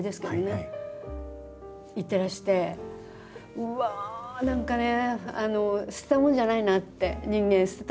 うわ何かね捨てたもんじゃないなって。